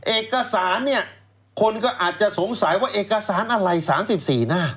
เอกสารเนี่ยคนก็อาจจะสงสัยว่าเอกสารอะไร๓๔หน้า